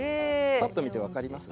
ぱっと見て分かります？